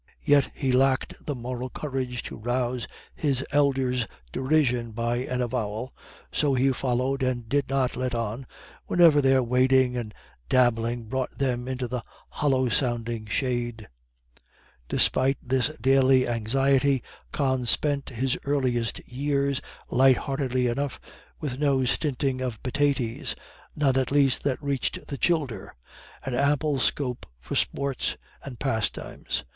Yet he lacked the moral courage to rouse his elders' derision by an avowal, so he followed, and did not let on, whenever their wading and dabbling brought them into the hollow sounding shade. Despite this daily anxiety, Con spent his earliest years light heartedly enough, with no stinting of pitaties none at least that reached the childer and ample scope for sports and pastimes.